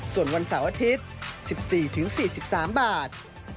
ส่วนวันเสาร์อาทิตย์๑๔๔๓บาท